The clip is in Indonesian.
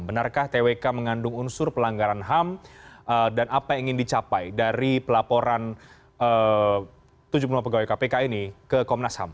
benarkah twk mengandung unsur pelanggaran ham dan apa yang ingin dicapai dari pelaporan tujuh puluh lima pegawai kpk ini ke komnas ham